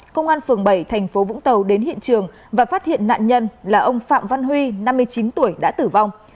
công an phường bảy thành phố vũng tàu đến hiện trường và phát hiện nạn nhân là ông phạm văn huy năm mươi chín tuổi đã tử vong